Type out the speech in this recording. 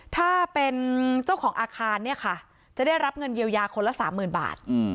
ถ้าเป็นเจ้าของอาคารเนี่ยค่ะจะได้รับเงินเยียวยาคนละ๓๐๐๐บาท